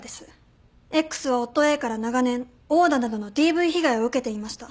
Ｘは夫Ａから長年殴打などのＤＶ被害を受けていました。